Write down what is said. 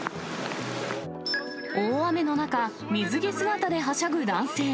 大雨の中、水着姿ではしゃぐ男性。